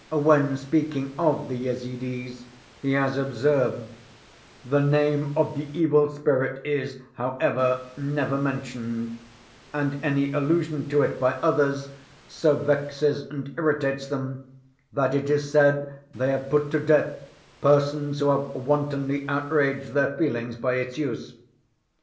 When speaking of the Yezidis, he has observed, "The name of the evil spirit is, however, never mentioned; and any allusion to it by others so vexes and irritates them, that it is said they have put to death persons who have wantonly outraged their feelings by its use.